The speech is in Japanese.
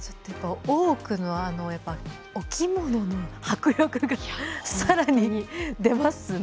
「大奥」のお着物の迫力がさらに出ますね。